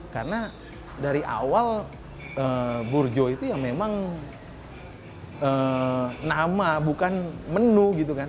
karena dari awal burjo itu memang nama bukan menu gitu kan